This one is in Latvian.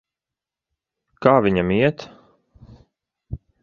Kā viņam iet?